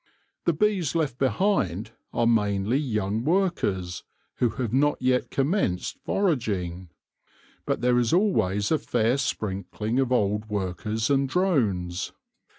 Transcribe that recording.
The bees left behind are mainly young workers who have not yet commenced foraging, but there is always a fair sprinkling of old workers and drones.